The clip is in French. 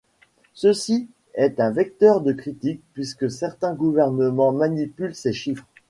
Ceci est un vecteur de critique puisque certains gouvernements manipulent ces chiffres.